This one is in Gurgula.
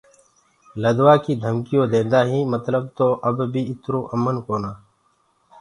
لدوآ ڪيٚ ڌمڪيٚونٚ ديندآ هينٚ متلب تو اب بي اِترو امن ڪونا۔